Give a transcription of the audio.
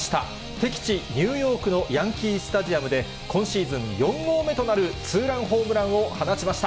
敵地、ニューヨークのヤンキー・スタジアムで、今シーズン４号目となるツーランホームランを放ちました。